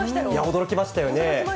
驚きましたよね。